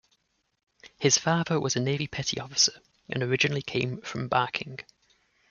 His father was a Navy petty officer, and originally came from Barking.